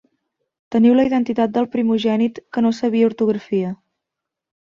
Teniu la identitat del primogènit que no sabia ortografia.